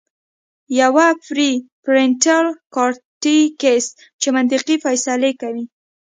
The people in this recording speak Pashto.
يوه پري فرنټل کارټيکس چې منطقي فېصلې کوي